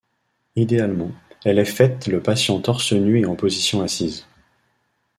Idéalement, elle est faite le patient torse nu et en position assise.